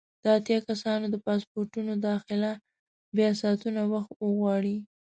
د اتیا کسانو د پاسپورټونو داخله به ساعتونه وخت وغواړي.